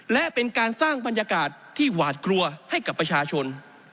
และเป็นการสร้างบรรยากาศที่หวาดกลัวให้กับประชาชน